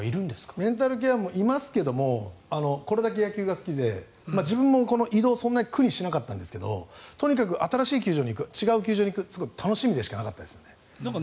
メンタルケアの人もいますけど野球がこれだけ好きで自分も移動、そんなに苦にしなかったんですがとにかく新しい球場に行く違う球場に行くのが楽しみでしかなかったんですね。